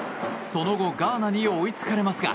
その後ガーナに追いつかれますが。